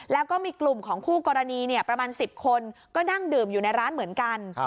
แล้วก็มีกลุ่มของคู่กรณีประมาณ๑๐คนก็นั่งดื่มอยู่ในร้านเหมือนกัน